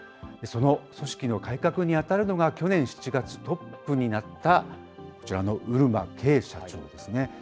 その組織の改革にあたるのが、去年７月、トップになったこちらの漆間啓社長ですね。